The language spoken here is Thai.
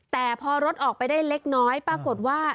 แต่พอรถออกไปได้เล็กน้อยปรากฏว่า